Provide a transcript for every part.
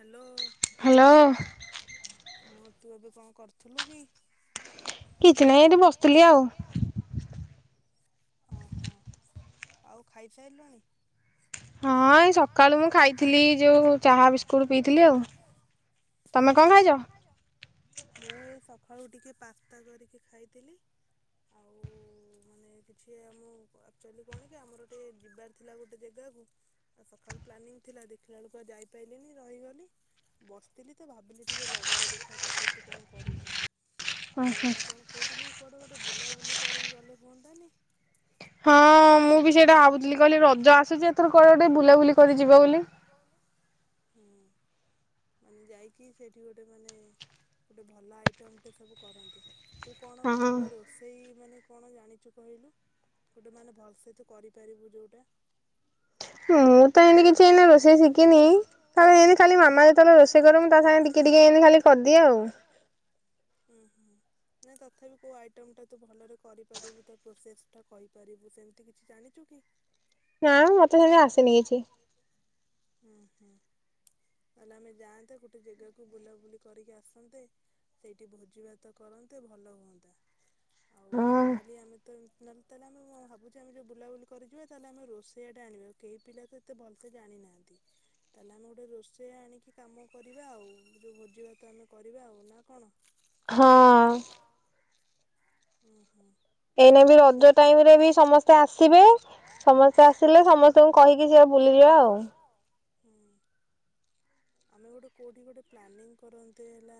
Hello. Hello. ହଁ ତୁ ଏବେ କଣ କରୁଥିଲୁ କି? କିଛି ନାଇଁ ଏଇଠି ବସିଥିଲି ଆଉ। ଓହୋ ଆଉ ଖାଇସାଇଲୁଣି? ହଁ ଏଇ ସକାଳୁ ମୁଁ ଖାଇଥିଲି ଯୋଉ ଚାହା ବିସ୍ କୁଡ଼ୁ ପିଇଥିଲି ଆଉ ତମେ କଁ ଖାଇଚ? ସକାଳୁ ଟିକେ ପାସ୍ତା କରିକି ଖାଇଥିଲି ଆଉ ମାନେ କିଛି ଆମ ଆକ୍ଚୁଆଲି କଣ କି ଆମର ଟିକେ ଯିବାର ଥିଲା ଗୋଟେ ଜେଗାକୁ ଆ ସଖାଳୁ ପ୍ଲାନିଂ ଥିଲା ଦେଖିଲା ଓଳୁକୁ ଆଉ ଯାଇ ପାଇ ଲିନି ରହିଗଲି ବସଥିଲି ତ ଭାବିଲି ଟିକେ ଲଗାଏ ଦେଖିଆ ତତେ ତୁ କଣ କରୁଚୁ। ଆଉ ମୁଁ କଣ କହୁଥିଲି କୁଆଡେ ଗୋଟେ ବୁଲାବୁଲି କରିକି ଗଲେ ହଅନ୍ତାନି ହଁ ମୁଁ ବି ସେଇଟା ଭାବୁଥିଲି କହିଲି ରଜ ଆସୁଛି ଏଥର କୁଆଡେ ଗୋଟେ ବୁଲାବୁଲି କରିଯିବା ବୋଲି ହୁଁ ମାନେ ଯାଇକି ସେଇଠି ଗୋଟେ ମାନେ ଗୋଟେ ଭଲ ଆଇଟମଟେ ସବୁ କରନ୍ତି ତୁ କଣ ଭଲ ରୋଷେଇ ମାନେ କଣ ଜାଣିଛୁ କହିଲୁ ଗୋଟେ ମାନେ ଭଲସେ ତୁ କରିପାରିବୁ ଯୋଉଟା ହୁଁ ମୁଁ ତ ଏମିତି କିଛି ଏଇନା ରୋଷେଇ ଶିଖିନି ତାହେଲେ ଏମିତି ଖାଲି ମାମା ଯେତେବେଳେ ରୋଷେଇ କରୁ ତା ସାଙ୍ଗେ ଟିକେ ଟିକେ ଏମତି ଖାଲି କରିଦିଏ ଆଉ ଉ ହୁଁ ନାଇଁ ତଥାପି କୋଉ ଆଇଟମ ଟା ତୁ ଭଲରେ କରିପାରିବୁ ତା ପ୍ରୋସେସ ଟା କହିପାରିବୁ ସେମତି କିଛି ଜାଣିଛୁ କି ନା ମତେ ସେମତି ଆସେନି କିଛି ହୁଁ ହୁଁ ତାହେଲେ ଆମେ ଯାଆନ୍ନ୍ତେ ଗୋଟେ ଜାଗାକୁ ବୁଲାବୁଲି କରିକି ଆସନ୍ତେ ସେଇଠି ଭୋଜି ଭାତ କରନ୍ତେ ଭଲ ହୁଅନ୍ତା ଆଉ ନର୍ମାଲି ଆମେ ତହଲେ ତାହେଲେ ଆମେ ଭାବୁଛେ ଆମେ ଯୋଉ ବୁଲାବୁଲି କରିିବା ତାହେଲେ ଆମେ ରୋଷେଇଆ ଟା ଆଣିବା କେହି ପିଲା ତ ଏତେ ଭଲସେ ଜାଣିନାହାନ୍ତି ତାହେଲେ ଆମେ ଗୋଟେ ରୋଷେୟା ଆଣିକି କାମ କରିବା ଆଉ ଯଉ ଭୋଜି ଭାତ ଆମେ କରିବା ଆଉ ନା କଣ ହଁ ହୁଁ ହୁଁ ଏଇନା ବି ରଜ ଟାଇମ ରେ ବି ସମସ୍ତେ ଆସିବେ ସମସ୍ତେ ଆସିଲେ ସମସ୍ତଙ୍କୁ କହିକି ସେଆ ବୁଲିଯିବା ଆଉ ହୁଁ ଆମେ ଗୋଟେ କୋଉଠି ଗୋଟେ ପ୍ଲାନିଂ କରନ୍ତେ ହେଲା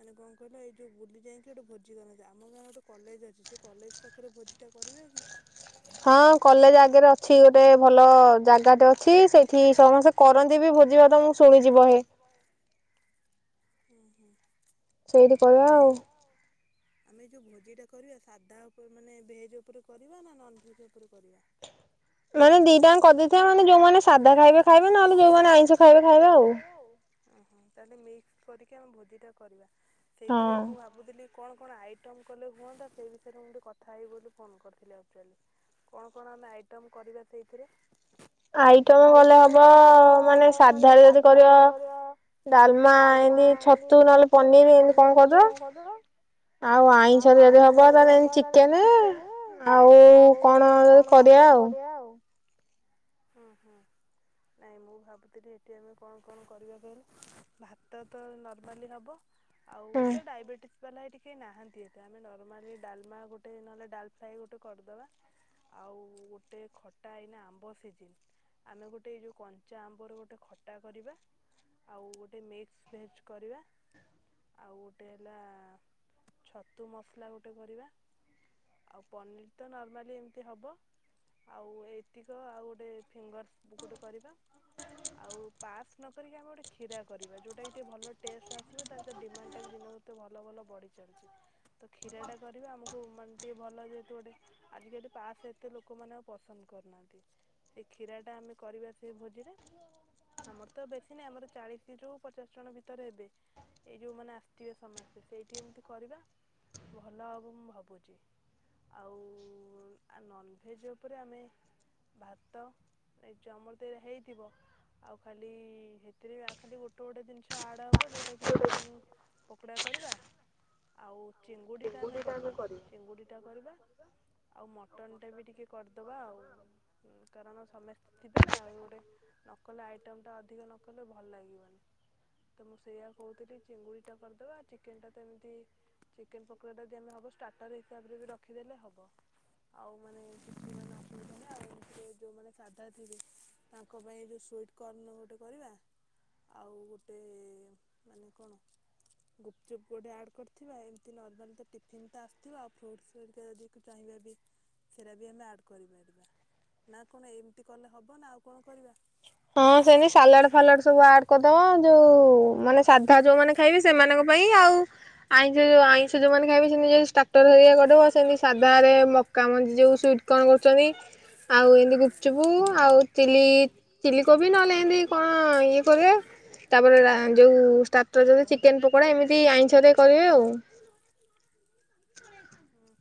ମାନେ କଣ କହିଲ ଏଇ ଯୋଉ ବୁଲି ଯାଇକି ଗୋଟେ ଭୋଜି କରନ୍ତେ ଆମ ଗାଁ ଗୋଟେ କଲେଜ ଅଛି ସେ କଲେଜ ପାଖରେ ଭୋଜି ଟା କରିବାିବ କି ହଁ କଲେଜ ଆଗରେ ଅଛି ଗୋଟେ ଭଲ ଜାଗାଟେ ଅଛି ସେଇଠି ସମସ୍ତେ କରନ୍ତି ବି ଭୋଜି ଭାତ ମୁଁ ଶୁଣିଚି ବହେ ଓୁ ହୁଁ ସେଇଠି କରିବା ଆଉ ଆମେ ଯୋଉ ଭୋଜି ଟା କରିବା ସାଧା ଉପରେ ମାନେ ଭେଜ ଉପରେ କରିବା ନା ନନ ଭେଜ ଉପରେ କରିବା ମାନେ ଦିଟାଙ୍କ କରିଦେଇଥିବା ମାନେ ଯଉମାନେ ସାଧା ଖାଇବେ ଖାଇବେ ନହେଲେ ଯୋଉମାନେ ଆଇଁଷ ଖାଇବେ ଖାଇବେ ଆଉ ଓ ହୋ ତାହେଲେ ମିକ୍ସ କରିକି ଆମେ ଭୋଜିଟା କରିବା ସେଇଥିରେ ମୁଁ ଭାବୁଥିଲି କଣ କଣ ଆଇଟମ କଲେ ହୁଅନ୍ତା ସେଇ ବିଷୟରେ ମୁଁ ଟିକେ କଥା ହେବି ବୋଲି ଫୋନ କରିଥିଲି ଆଉ କଣ କଣ ଆମେ ଆଇଟମ କରିବା ସେଇଥିରେ ଆଇଟମ ଗଲେ ହବ ମାନେ ସାଧାରେ ଯଦି କରିବ ଡାଲମା ଏମିତି ଛତୁ ନହେଲେ ପନିର ଏମତି କଣ କରିବ ଆଉ ଆଇଁଷ ଯଦି ହବ ତାହେଲେ ଚିକେନ ଆଉ କଣ କରିବା ଆଉ ହୁଁ ହୁଁ ନାଇଁ ମୁଁ ଭାବୁଥିଲି ଏଠି ଆମେ କଣ କଣ କରିବା କହିଲେ ଭାତ ତ ନର୍ମାଲି ହବ ଆଉ ଏ ଡାଇବେଟିସ୍ ବାଲା ଏ ଟ କେ ନାହାନ୍ତି ଏତ ଆମେ ନର୍ମାଲି ଡାଲମା ଗୋଟେ ନହେଲେ ଡାଲ ଫ୍ରାଏ ଗୋଟେ କରିଦେବା ଆଉ ଗୋଟେ ଖଟା ଏଇନା ଆମ୍ବ ସିଜନ୍ ଆମେ ଗୋଟେ ଏଇ ଯେଉଁ କଞ୍ଚା ଆମ୍ବର ଗୋଟେ ଖଟା କରିବା ଆଉ ଗୋଟେ ମିକ୍ସ ଭେଜ୍ କରିବା ଆଉ ଗୋଟେ ହେଲା ଛତୁ ମସଲା ଗୋଟେ କରିବା ଆଉ ପନିର ତ ନର୍ମାଲି ଏମିତି ହବ ଆଉ ଏତିକ ଆଉ ଗୋଟେ ଫିଙ୍ଗର୍ସ ଗୋଟେ କରିବା ଆଉ ପାସ୍ ନକିକି ଆମେ ଗୋଟେ କ୍ଷୀରା କରିବା ଯୋଉଟାକ ଟିକେ ଭଲ ଟେଷ୍ଟ ଆସିବ ତା ଡିମାଣ୍ଡ ଟା ବି ଦିନକୁ ଭଲ ଭଲ ବଢି ଚାଲିଛି ତ କ୍ଷୀରାଟା କରିବା ଆମକୁ ମାନେ ଟିକେ ଭଲ ଯେହେତୁ ଗୋଟେ ଆଜିକାଲି ପାସ ଏତେ ଲୋକମାନେ ଆଉ ପସନ୍ଦ କରୁନାହାନ୍ତି ସେ କ୍ଷୀରାଟା ଆମେ କରିବା ସେ ଭୋଜିରେ ଆମର ତ ବେଶୀ ନାହିଁ ଆମର ଚାଳିଶରୁୁ ପଚାଶ ଜଣ ଭିତରେ ହେବେ ଏଇ ଯୋଉ ମାନ ଆସିଥିବେ ସମସ୍ତେ ସେ ଏମିତି କରିବା ଭଲ ହେବ ମୁଁ ଭାବୁଛି ଆଉ ନନ୍ଭେଜ୍ ଉପରେ ଆମେ ଭାତ ଟା ତ ଆମର ହେଇଥିବ ଆଉ ଖାଲି ସେଥିରେ ଖାଲି ଗୋଟେ ଗୋଟେ ଜିନିଷ ଆଡ଼୍ ହେବ ଯେଉଁଟାକି ଚିକେନ ପକୋଡ଼ା କରିବା ଆଉ ଚିଙ୍ଗୁଡ଼ିଟା ଆମେ କରିବା ଚିଙ୍ଗୁଡ଼ିଟା କରିବା ଆଉ ମଟନ୍ଟା ବି ଟିକେ କରିଦେବା ଆଉ କାରଣ ସମସ୍ତେ ଥିବେ ନା ଆଉ ଗୋଟେ ନକଲେ ଆଇଟମ୍ଟା ଅଧିକ ନକଲେ ଭଲ ଲାଗିବନି ତ ମୁଁ ସେଇଆ କହୁଥିଲି ଚିଙ୍ଗୁଡ଼ିଟା କରିଦେବା ଚିକେନ୍ଟା ଚେ ପକୋାା ଆମେ ହବ ଟର ହିସାବରେ ରଖିଦେଲେ ହବ ଆଉ ମାନେ ଆଉ ଯୋଉ ମ ସାଧା ଥିବେ ତାଙ୍କ ପାଇଁ ଯୋଉ ସୁଟ କରଣ ଗୋଟେ କରିବା ଆଉ ଗୋଟେ ମାନେ କଣ ଗୁପଚୁପ କେଉଁଟେ ଆଡ଼୍ କରିଥିବା ଏମିତି ନର୍ମାଲି ତ ଟିଫିନ୍ ତ ଆସିଥିବ ଆଉ ଫ୍ରୁଟ୍ସ ଫଡ଼ିକା ଯଦି ଚାହିଁବା ବି ସେଇଟା ବି ଆମେ ଆଡ଼୍ କରିପାରିବା ନା କଣ ଏମିତି କଲେ ହେବ ନା ଆଉ କଣ କରିବା। ହଁ ସେମିତି ସାଲାଡ ଫାଲାଡ ସବୁ ଆଡ କରିଦବା ଯୋଉ ମାନେ ସାଧା ଯୋଉମାନେ ଖାଇବେ ସେମାନଙ୍କ ପାଇଁ ଆଉ ଆଇଷ ଆଇଁଷ ଯୋଉମାନେ ଖାଇବେ ସାକ୍ଟର କରିଦବ ସେମିତି ସାଧା ରେ ମକା ମଞ୍ଜି ଯୋଉ ସୁଇଟ କର୍ଣ୍ଣ କରୁଛନ୍ତି ଆଉ ଏମିତି ଗୁପଚୁପ ଆଉ ଚିଲି ଚିଲ କୋବି ନହେଲେ ଏମିତି କଣ ଇଏ କରିବ ତାପରେ ଯୋଉ ଷ୍ଟାଟରେ ଚିକେନ ପକୋଡା ଏମିତି ଆଇଁଷରେ କରିବେ ଆଉ। ହଁ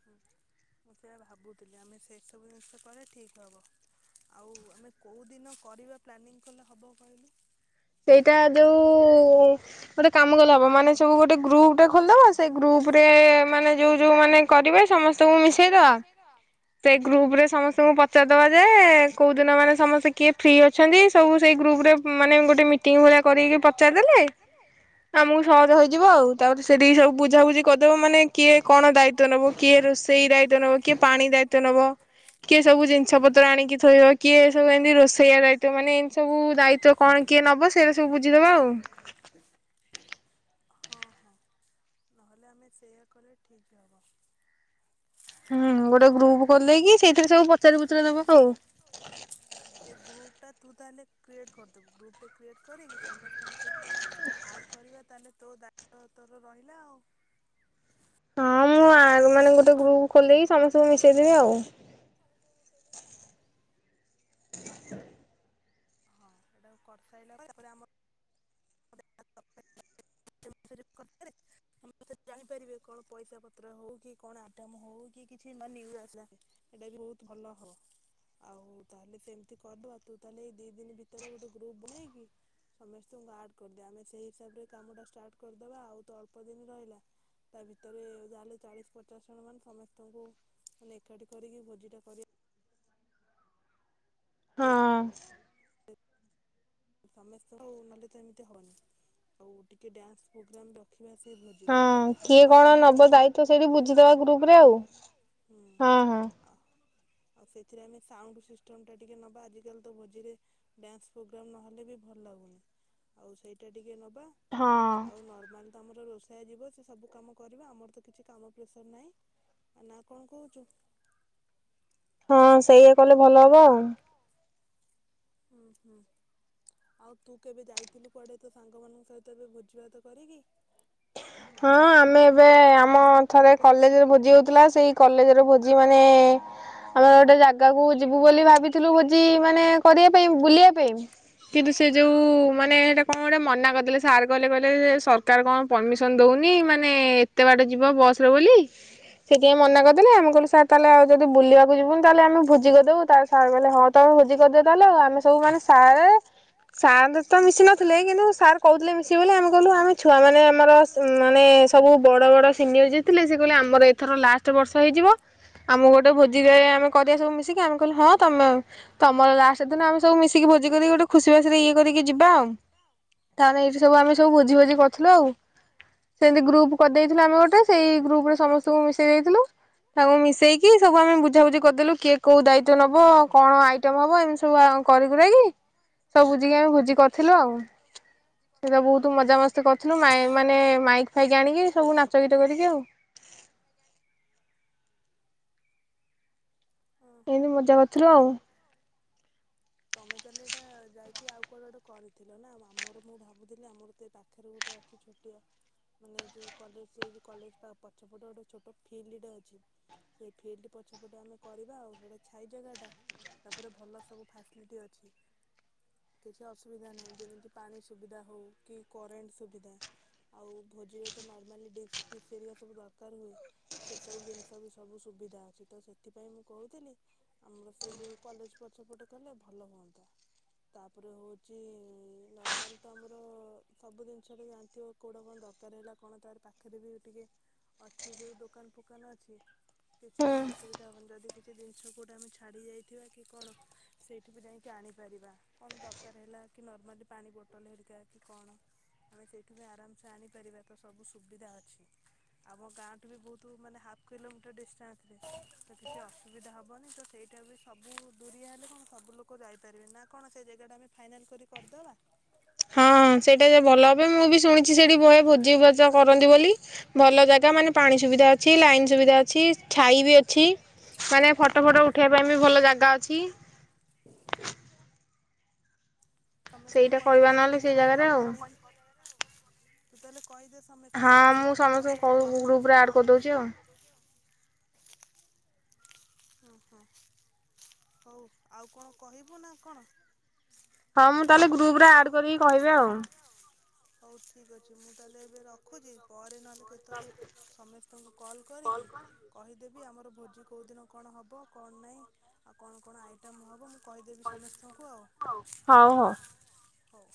ମୁଁ ସେଇଟା ଭାବୁଥିଲି ଆମେ ସେସବୁ ଜିନିଷ କଲେ ଠିକ୍ ହେବ ଆଉ ଆମେ କେଉଁଦିନ କରିବା ପ୍ଲାନିଂ କଲେ ହେବ କହିଲୁ। ସେଇଟା ଯୋଉ ଗୋଟେ କାମ ଗଲା ହବ ମାନେ ସବୁ ଗୋଟେ ଗ୍ରୁପ ଟା ଖୋଲିଦେବା ସେଇ ଗ୍ରୁପ ରେ ମାନେ ଯୋଉ ଯୋଉ ମାନେ କରିବେ ସମସ୍ତଙ୍କୁ ମିଶେଇଦବା ସେଇ ଗ୍ରୁପ ରେ ସମସ୍ତଙ୍କୁ ପଚାରିଦବା ଯୋ କୋଉ ଦିନ ମାନେ ସମସ୍ତେ କିଏ ଫ୍ରି ଅଛନ୍ତି ସବୁ ସେଇ ଗ୍ରୁପ ରେ ମାନେ ଗୋଟେ ଗୋଟେ ମିଟିଙ୍ଗ ଭଳିଆ କରିକି ପଚାରିଦେଲେ ଆମକୁ ସହଜ ହେଇଯିବ ଆଉ ତାପରେ ସେଠିକି ସବୁ ବୁଝାବୁଝି କରିଦବ ମାନେ କିଏ କଣ ଦାୟିତ୍ଵ ନେବ। କିଏ ରୋଷେଇ ଦାୟିତ୍ବ ନବ କିଏ ପାଣି ଦାୟିତ୍ବ ନବ କିଏ ସବୁ ଜିନିଷ ପତ୍ର ଆଣିକି ଥୋଇବ କିଏ ଏ ସବୁ ଏମିତି ରୋଷେଇବା ଦାୟିତ୍ଵ ମାନେ ଏମିତି ସବୁ ଦାୟିତ୍ବ କଣ କିଏ ନବ ସେଇଟା ସବୁ ବୁଝିଦବା ଆଉ। ହଁ ହଁ ନହେଲେ ଆମେ ସେଇୟା କଲେ ଠିକ ହବ। ଆଉ ତାପରେ ସେ ଗ୍ରୁପ କରିଦେଇକି ସେଇଥିରେ ସବୁ ପଚାରିପୁଚୁରି ଦବ ଅଉ ସେ ଗ୍ରୁପଟା ତୁ ତାହେଲେ କ୍ରିଏଟ କରିଦେବୁ ଗ୍ରୁପ ଟେ କ୍ରିଏଟ କରିକି ସମସ୍ତଙ୍କୁ ସେଥିରେ ଆଡ଼ କରିବା ତାହେଲେ ତୋ ଦାୟିତ୍ବ ତୋର ରହିଲା ଆଉ। ହଁ ମୁଁ ମାନେ ଗୋଟେ ଗ୍ରୁପ ଖୋଲକି ସମସ୍ତଙ୍କୁ ମିଶେଇଦେବି ଆଉ। [unintelligible] ଜାଣିପାରିବେ କଣ ପଇସା ପତ୍ର ହଉ କି କଣ ଆଗଟମ ହଉ କି କିଛି ଆସିଲା ଏଇଟା ବି ବହୁତ ଭଲ ହବ ଆଉ ତାହେଲେ ସେମିତି କର ତୁ ତାହେଲେ ଏଇ ଦି ଦିନ ଭିତରେ ଭିତରେ ଗୋଟେ ଗ୍ରୁପ ନେଇକି ସମସ୍ତଙ୍କୁ ଆଡ କରିଦେବା ଆମେ ସେଇ ହିସାବରେ କାମଟା ଷ୍ଟାର୍ଟ କରିଦବା ଆଉ ତ ଅଳ୍ପ ଦିନ ରହିଲା ତା ଭିତରେ ଯା ହେଲେ ଚାଳିଶ ପଚାଶ ଜଣ ମାନେ ସମସ୍ତଙ୍କୁ ମାନେ ଏକାଠି କରିକି ଭୋଜି ଟା କରିବା। ହଁ ସମସ୍ତଙ୍କ ନଲେ ତ ଏମିତି ହଉନି ଆଉ ଟିକେ ଡ୍ୟାନ୍ସ ପ୍ରୋଗ୍ରାମ ରଖିବ। ହଁ କିଏ କଣ ନବ ଦାୟିତଵ ସେଇଠି ବୁଝିଦବା ଗ୍ରୁପରେ ଆଉ ହଁ ହଁ। ଆଉ ସେଥିରେ ଆମେ ସାଉଣ୍ଡ ସିଷ୍ଟମ୍ ଟା ଟିକେ ନେବା ଆଜିକାଲି ତ ଭୋଜିରେ ଡ୍ୟାନ୍ସ ପ୍ରୋଗ୍ରାମ୍ ନହେଲେ ଭଲ ଲାଗୁନି ଆଉ ସେଇଟା ଟିକେ ନ ହଁ ଆମର ରୋଷ ହେ ଯିବ ସେ ସବୁ କାମ କରିବା ଆମର ତ କିଛି କାମ ପ୍ରେସର ନାହିଁ ନା କଣ କହୁଛୁ। ପାଞ୍ଚ ସେଇଏ କଲେ ଭଲ ହବ ଅଉ। ଉୁଁ ହୁଁ ଆଉ ତୁ କେବେ ଯାଇଥିଲୁ କୁଆଡ଼େ ତ ସାଙ୍ଗମାନଙ୍କ ସହିତ ଏବେ ଭୋଜି ଭାତ କରିକି। ହଁ ଆମେ ଏବେ ଆମ ଥରେ କଲେଜରେ ଭୋଜି ହଉଥିଲା ସେଇ କଲେଜରେ ଭୋଜି ମାନେ ଆମେ ଗୋଟେ ଜାଗାକୁ ଯିବୁ ବୋଲି ଭାବିଥିଲୁ ଭୋଜି ମାନେ କରିବା ପାଇଁ ବୁଲିବା ପାଇଁ କିନ୍ତୁ ସେ ଯୋଉ ମାନେ ସେଟା କଣ ଗୋଟେ ମନା କରିଦେଲେ। ସାର୍ କହିଲେ କହିଲେ ସରକାର କଣ ପରମିସ ଦଉନି ମାନେ ଏତେ ବାଟ ଯିବ ବସରେ ବୋଲି ସେ ଟିକି ମନା କରିଦେଲେ ଆମେ କହିଲୁ ସାର୍ ତାହେଲେ ଆଉ ଯଦି ବୁଲିବାକୁ ଯିବୁନି ତାହେଲେ ଆମେ ଭୋଜି କରିଦବୁ ତାହେଲେ ସାର କହିଲେ ହଁ ତମେ ଭୋଜି କରିଦିଅ ତାହେଲେ ଆଉ ଆମେ ସବୁ ମାନେ ସାର ସାରଙ୍କ ସହ ତ ମିଶି ନଥିଲୁ। କିନ୍ତୁ ସାର୍ କହୁଥିଲେ ମିଶିବେ ବୋଲି ଆମେ କହିଲୁ ଆମେ ଛୁଆମାନେ ଆମର। ମାନେ ସବୁ ବଡ ବଡ ସିନିୟର ଯିଏଥିଲେ ସେ କହିଲେ ଆମର ଏଥର ଲାଷ୍ଟ ବର୍ଷ ହେଇଯିବ ଆମକୁ ଗୋଟେ ଭୋଜି ଆମେ କରିବା ସବୁ ମିଶିକି ଆମେ କହିଲେ ହଁ ତମେ ତମର ଲାଷ୍ଟ ଦିନ ଆମେ ସବୁ ମିଶିକି ଭୋଜି କରିକି ଗୋଟେ ଖୁସି ଭସିରେ ଇଏ କରିକି ଯିବା ଆଉ ତାହଲେ ଏଇଠି ସବୁ ଆମେ ସବୁ ଭୋଜି ଭୋଜି କରିଥିଲୁ ଆଉ। ସେମିତି ଗ୍ରୁପ କରିଦେଇଥିଲା ଆମେ ଗୋଟେ ସେଇ ଗ୍ରୁପ ରେ ସମସ୍ତଙ୍କୁ ମିଶେଇ ଦେଇଥିଲୁ ତାଙ୍କୁ ମିଶେଇକି ସବୁ ଆମେ ବୁଝାବୁଝି କରିଦେଲୁ। କିଏ କୋଉ ଦାୟିତ୍ଵ ନବ କଣ ଆଇଟମ ହବ ଏମିତି ସବୁ କରିକ ଯକି ସବୁ ବୁଝିକି ଆମେ ଭୋଜି କରିଥିଲୁ ଆଉ ସେଟା ବହୁତ ମଜାମସ୍ତି କରିଥିଲୁ। ମାନେ ମାଇକ ଫାଇକ ଆଣିକି ସବୁ ନାଚ ଗୀତ କରିକି ଆଉ। ଏମତି ମଜା କରିଥିଲୁ ଆଉ। ତମେ ତାହେଲେ ଏଇଟା ଯାଇକି ଆଉ କୁଆଡେ ଗୋଟେ କରିଥିଲ ନା ଆମର ମୁଁ ଭାବୁଥିଲି ଆମର ସେ ପାଖରେ ଗୋଟେ ଅଛି ଛୋଟିଆ ମାନେ ଯୋଉ କଲେଜ ଯୋଉ କଲେଜ ପଛପଟେ ଗୋଟେ ଛୋଟ ଫିଲ୍ଡ ଅଛି ସେ ଫିଲ୍ଡ ପଛପଟେ ଆମେ। କରିବା ଆଉ ସେଟା ଛାଇ ଜାଗାଟା ତାପରେ ଭଲ ସବୁ ଫାସିଲିଟି ଅଛି କିଛି ଅସୁବିଧା ନାହିଁ ଯେମିତି ପାଣି ସୁବିଧା ହଉ କି କରେଣ୍ଟ ସୁବିଧା ଆଉ ଭୋଜିରେ ନର୍ମାଲ ଡିସ ଫିସ ସବୁ ଦରକାର ହୁଏ ସେ ସବୁ ଜିନିଷ ବି ସବୁ ସୁବିଧା ଅଛି ତ ସେଥିପାଇଁ ମୁଁ କହୁଥିଲି ଆମର ସେଇ ଯୋଉ କଲେଜ ପଛପଟ କଲେ ଭଲ ହୁଅନ୍ତା ତାପରେ ହଉଛି ନର୍ମାଲି ତ ଆମର ସବୁ ଜିନିଷ ଜାଣିଥିବ କୋଉଟା କଣ ଦରକାର ହେଲା କଣ ତାର ପାଖରେ ବି ଟିକେ ଅଛି ଯୋଉ ଦୋକାନ ଫୋକାନ ଅଛି କିଛି ଅ। ହେବନି ଯଦି କିଛି ଜିନିଷ କୋଉଟା ଆମେ ଛାଡ଼ି ଯାଇଥିବା କି କଣ ସେଇଠି ବି ଯାଇକି ଆଣିପାରିବା କଣ ଦରକାର ହେଲା କି ନର୍ମାଲି ପାଣି ବୋଟଲ ହେରିକା କି କଣ ଆମେ ସେଇଠି ବି ଆରାମସେ ଆଣିପାରିବା ତ ସବୁ ସୁବିଧା ଅଛି ଆମ ଗାଁଠୁ ବି ବହୁତ ମାନେ ହାଫ୍ କିଲୋମିଟର ଡିଷ୍ଟାନ୍ସରେ। ତ କିଛି ଅସୁବିଧା ହବନି ତ ସେଇଟା ବି ସବୁ ଦୁରିଆ ହେଲେ କଣ ସବୁ ଲୋକ ଯାଇପାରିବେ ନା କଣ ସେ ଜାଗାଟା ଆମେ ଫାଇନାଲ କରି କରିଦବା। ହଁ ହଁ ସେଇଟା ଯେ ଭଲ ହବ ମୁଁ ବି ଶୁଣିଛି ସେଠି ବହେ ଭୋଜି। ଜା କରନ୍ତି ବୋଲି ଭଲ ଜାଗା ମାନେ ପାଣି ସୁବିଧା ଅଛି ଲାଇନ ସୁବିଧା ଅଛି ଛାଇ ବି ଅଛି ମାନେ ଫଟ ଫଟ ଉଠେଇବା ପାଇଁ ବି ଭଲ ଜାଗା ଅଛି। ସମସ୍ତଙ୍କୁ କହିକି କରିଦେ ତାହେଲେ ଗ୍ରୁପ୍ ବାନେଇକି। ତୁ ତାହେଲେ କହିଦେଲୁ। ସମସ୍ତଙ୍କୁ ଆମେ ସେଇଦିନ କରିବା ଠିକ୍ ହେଲା ଆଡ କରିଦଉଛି ଆଉ। ଓ ହଁ ହଉ ଆଉ କଣ କହିବୁ ନା କଣ। ହଁ ମୁଁ ତାହେଲେ ଗ୍ରୁପରେ ଆଡ କରିକି କହିବି ଆଉ। ହଉ ଠିକ୍ ଅଛି ମୁଁ ତାହେଲେ ଏବେ ରଖୁଛି ପରେ ନ। କେତେବେଳେ ସମସ୍ତଙ୍କୁ କଲ କରିକି କହିଦେବି। ବି ଆମର ଭୋଜି କୋଉ ଦିନ କଣ ହବ କଣ ନାଇଁ ଆଉ କଣ କଣ ଆଇଟମ ହବ। କହିଦେବି ସମସ୍ତଙ୍କୁ ଆଉ। ହଉ।